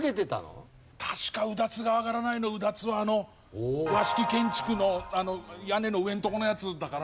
確か「うだつが上がらない」の「うだつ」はあの和式建築の屋根の上のとこのやつだから。